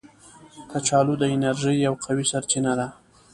کچالو د انرژي یو قوي سرچینه ده